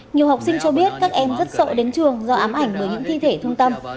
nhiều học sinh cho biết các em rất sợ đến trường do ám ảnh bởi những thi thể thương tâm